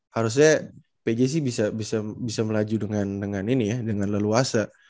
harusnya pj sih bisa melaju dengan ini ya dengan leluasa